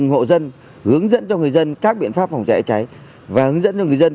hướng dẫn cho người dân các biện pháp phòng cháy chữa cháy và hướng dẫn cho người dân